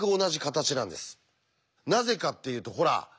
なぜかっていうとほら。